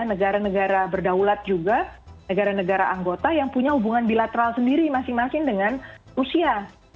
negara negara berdaulat juga negara negara anggota yang punya hubungan bilateral sendiri masing masing dengan rusia